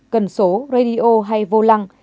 cần số radio hay vô lăng